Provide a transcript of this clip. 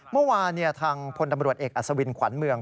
เมื่อวานทางพลตำรวจเอกอัศวินขวัญเมือง